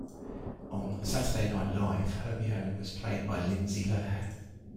On "Saturday Night Live", Hermione was played by Lindsay Lohan.